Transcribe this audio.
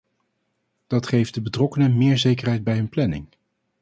Dat geeft de betrokkenen meer zekerheid bij hun planning.